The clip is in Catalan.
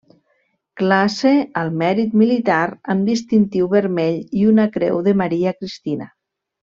Classe al Mèrit Militar amb distintiu vermell i una Creu de Maria Cristina.